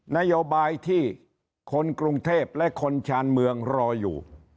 นโยบายที่คนกรุงเทพและคนชาญเมืองรออยู่